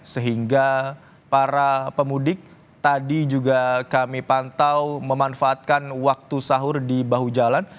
sehingga para pemudik tadi juga kami pantau memanfaatkan waktu sahur di bahu jalan